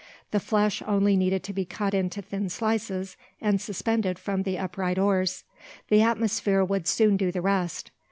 The flesh only needed to be cut into thin slices and suspended from the upright oars. The atmosphere would soon do the rest.